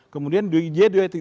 kemudian dia dietik etik